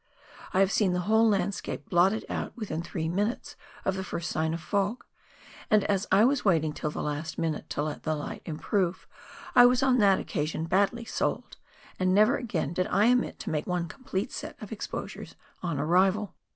I have seen the whole landscape blotted out within three minutes of the first sign of fog, and as I was waiting till the last minute to let the light improve, I was on that occasion badly sold, and never again did I omit to make one complete set of ex posures on arrival.